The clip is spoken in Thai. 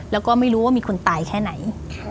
แล้วก็ไม่รู้ว่ามีคนตายแค่ไหน